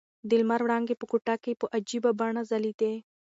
د لمر وړانګې په کوټه کې په عجیبه بڼه ځلېدې.